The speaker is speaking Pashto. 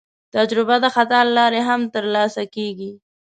تجربه د خطا له لارې هم ترلاسه کېږي.